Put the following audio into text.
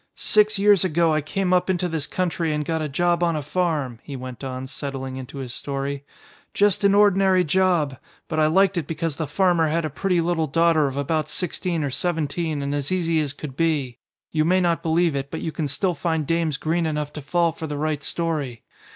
"Six years ago I came up into this country and got a job on a farm," he went on, settling into his story. "Just an ordinary job. But I liked it because the farmer had a pretty little daughter of about sixteen or seventeen and as easy as could be. You may not believe it, but you can still find dames green enough to fall for the right story.